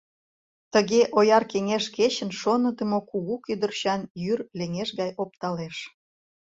Тыге ояр кеҥеж кечын шоныдымо кугу кӱдырчан йӱр леҥеж гай опталеш.